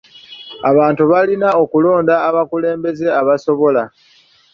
Abantu balina okulonda abakulembeze abasobola.